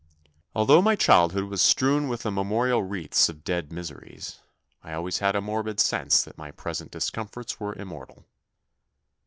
Although my child hood was strewn with the memorial wreaths of dead miseries, I always had a morbid sense that my present discomforts were immortal.